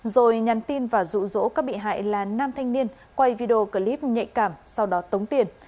rồi nhắn tin và rụ rỗ các bị hại là nam thanh niên quay video clip nhạy cảm sau đó tống tiền